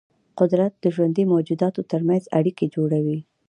قدرت د ژوندي موجوداتو ترمنځ اړیکې جوړوي.